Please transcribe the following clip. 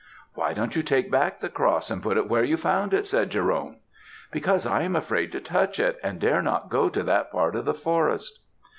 "'Why don't you take back the cross and put it where you found it,' said Jerome. "'Because I am afraid to touch it and dare not go to that part of the forest.'